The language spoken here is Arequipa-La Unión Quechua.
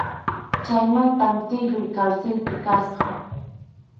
Chaymantam tiyuy karsilpi kasqa.